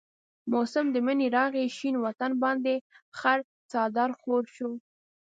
موسم د منی راغي شين وطن باندي خړ څادر خور شو